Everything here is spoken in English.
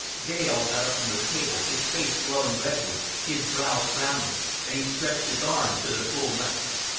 Dale got up from the table, his face glowing redly, his brows frowning; and he stretched his arms to their full length.